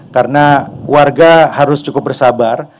karena warga harus cukup bersabar